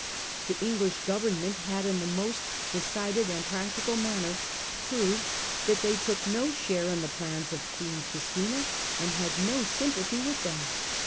The English Government had in the most decided and practical manner proved that they took no share in the plans of Queen Christina, and had no sympathy with them.